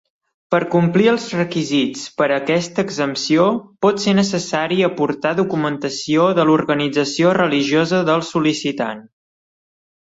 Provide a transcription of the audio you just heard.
Per complir els requisits per a aquesta exempció pot ser necessari aportar documentació de l'organització religiosa del sol·licitant.